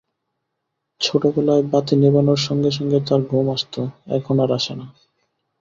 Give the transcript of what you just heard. ছোটবেলায় বাতি নেভানোর সঙ্গে সঙ্গে তার ঘুম আসত, এখন আর আসে না ।